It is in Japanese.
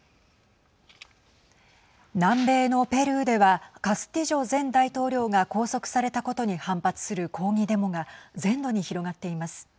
南米のペルーではカスティジョ前大統領が拘束されたことに反発する抗議デモが全土に広がっています。